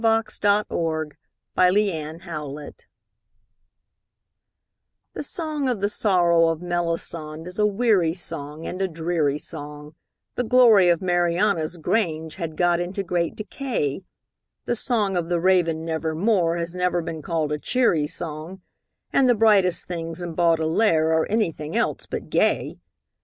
The Song Against Songs The song of the sorrow of Melisande is a weary song and a dreary song, The glory of Mariana's grange had got into great decay, The song of the Raven Never More has never been called a cheery song, And the brightest things in Baudelaire are anything else but gay.